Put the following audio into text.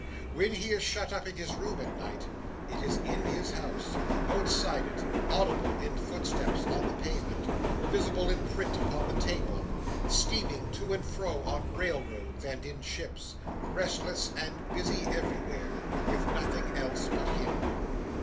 When he is shut up in his room at night, it is in his house, outside it, audible in footsteps on the pavement, visible in print upon the table, steaming to and fro on railroads and in ships; restless and busy everywhere, with nothing else but him.